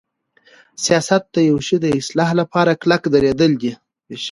سیاست د یوشی د اصلاح لپاره کلک دریدل دی.